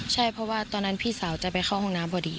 ใช่เพราะว่าตอนนั้นพี่สาวจะไปเข้าห้องน้ำพอดี